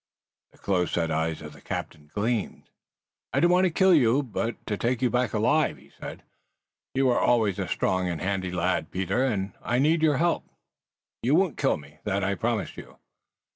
The close set eyes of the captain gleamed. "I don't want to kill you, but to take you back alive," he said. "You were always a strong and handy lad, Peter, and I need your help." "You won't kill me. That I promise you."